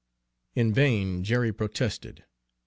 In vain Jerry protested.